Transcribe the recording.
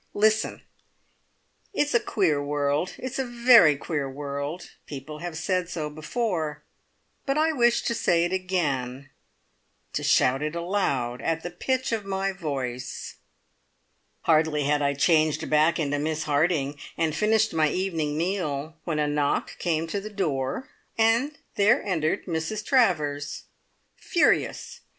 "Listen!" It's a queer world. It's a very queer world! People have said so before, but I wish to say it again, to shout it aloud at the pitch of my voice. Hardly had I changed back into Miss Harding, and finished my evening meal, when a knock came to the door, and there entered Mrs Travers. Furious!